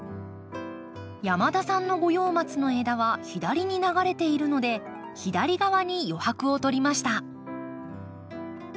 山田さんのゴヨウマツの枝は左に流れているので左側に余白を取りました。